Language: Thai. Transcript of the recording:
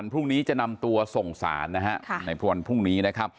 ในวันพรุ่งนี้จะนำตัวส่งศาลนะครับ